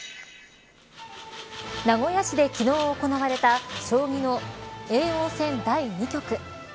名古屋市で昨日行われた将棋の叡王戦第２局。